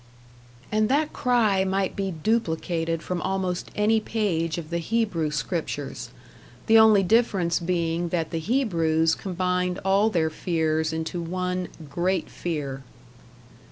And that cry might be duplicated from almost any page of the Hebrew scriptures: the only difference being that the Hebrews combined all their fears into one Great Fear.